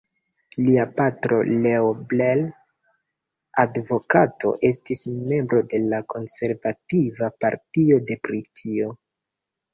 Lia patro, Leo Blair, advokato, estis membro de la Konservativa Partio de Britio.